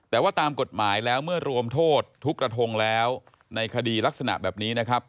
แต่ว่าตามกฎหมายแล้วเมื่อรวมโทษทุกกระทงแล้วในคดีลักษณะแบบนี้นะครับ